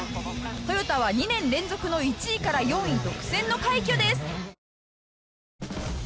トヨタは２年連続の１位から４位独占の快挙です